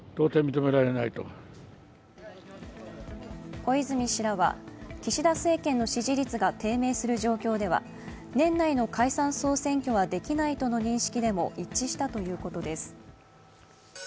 小泉氏らは、岸田政権の支持率が低迷する状況では年内の解散総選挙はできないとの認識でも、一致したということです。